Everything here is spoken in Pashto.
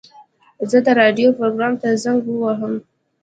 زه د راډیو پروګرام ته زنګ وهم.